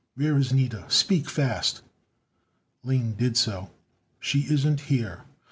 "Where is Nida? Speak fast." Lane did so. "She isn't here.